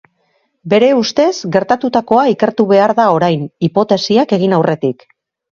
Bere ustez, gertatutakoa ikertu behar da orain, hipotesiak egin aurretik.